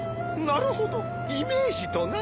なるほどイメージとな。